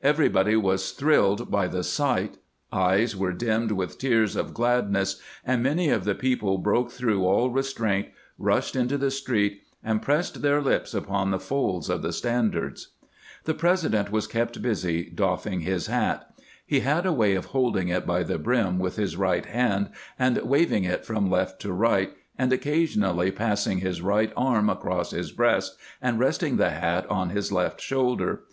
Everybody was thriUed by the sight ; eyes were dimmed with tears of gladness, and many of the people broke through all restraiint, rushed into the street, and pressed their lips upon the folds of the standards. The President was kept busy doffing his hat. He had a way of holding it by the brim with his right hand and waving it from left to right, and occasionally passing his right arm across his breast and resting the hat on his left shoulder.